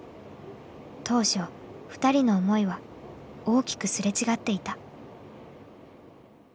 当初２人の思いは大きくすれ違っていた。